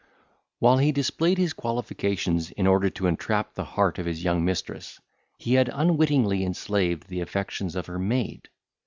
While he displayed his qualifications in order to entrap the heart of his young mistress, he had unwittingly enslaved the affections of her maid.